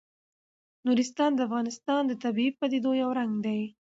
نورستان د افغانستان د طبیعي پدیدو یو رنګ دی.